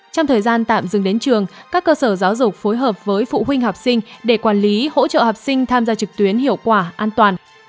trong thời gian tạm dừng đến trường các cơ sở giáo dục phối hợp với phụ huynh học sinh để quản lý hỗ trợ học sinh tham gia trực tuyến hiệu quả an toàn